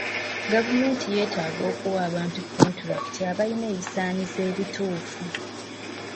Gavumenti yeetaaga okuwa abantu kontulakiti abalina ebisaanyizo ebituufu.